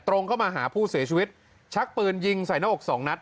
ตรงเข้ามาหาผู้เสียชีวิตชักปืนยิงใส่หน้าอกสองนัด